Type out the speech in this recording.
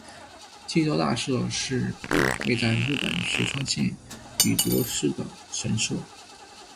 气多大社是位在日本石川县羽咋市的神社。